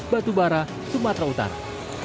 batubara sumatera utara